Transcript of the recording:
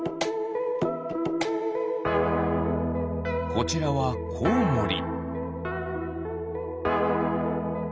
こちらはコウモリ。